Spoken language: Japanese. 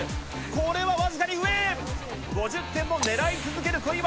これは僅かに上、５０点を狙い続ける小祝。